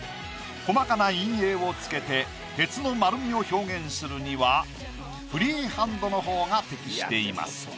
細かな陰影をつけて鉄の丸みを表現するにはフリーハンドのほうが適しています。